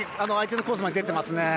相手のコースまで出ていますね。